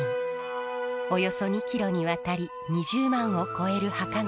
およそ２キロにわたり２０万を超える墓が立ち並びます。